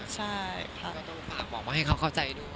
ใช่ค่ะ